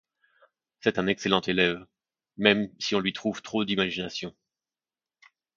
C'est un excellent élève, même si on lui trouve trop d'imagination.